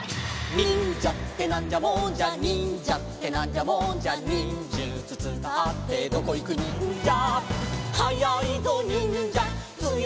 「にんじゃってなんじゃもんじゃ」「にんじゃってなんじゃもんじゃ」「にんじゅつつかってどこいくにんじゃ」